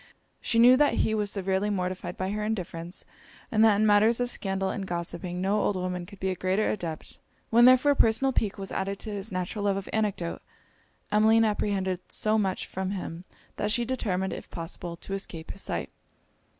She knew that he was severely mortified by her indifference, and that in matters of scandal and gossiping no old woman could be a greater adept. When therefore personal pique was added to his natural love of anecdote, Emmeline apprehended so much from him, that she determined, if possible, to escape his sight.